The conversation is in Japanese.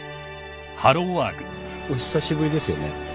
お久しぶりですよね。